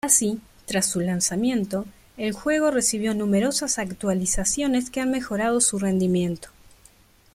Así, tras su lanzamiento, el juego recibió numerosas actualizaciones que han mejorado su rendimiento.